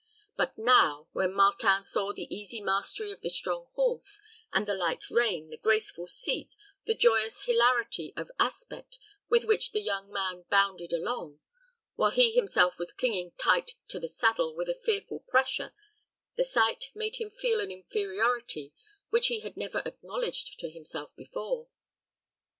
But now, when Martin saw his easy mastery of the strong horse, and the light rein, the graceful seat, the joyous hilarity of aspect with which the young man bounded along, while he himself was clinging tight to the saddle with a fearful pressure, the sight made him feel an inferiority which he had never acknowledged to himself before.